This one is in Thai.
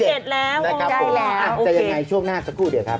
วันที่๒๗แล้ววันที่๒๗แล้วได้ครับผมจะอย่างไรช่วงหน้าสักครู่เดี๋ยวครับ